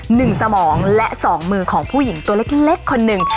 หนึ่งสมองและสองมือของผู้หญิงตัวเล็กคนหนึ่ง